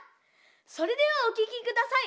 それではおききください！